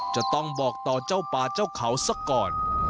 จะต้องบอกต่อเจ้าป่าเจ้าเขาสักก่อน